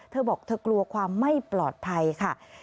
เธอบอกเธอกลัวความไม่ปลอดภัยค่ะ